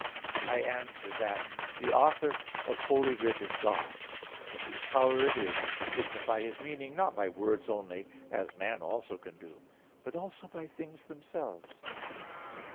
I answer that, The author of Holy Writ is God, in whose power it is to signify His meaning, not by words only (as man also can do), but also by things themselves.